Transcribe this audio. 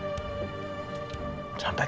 sampai kapanpun ya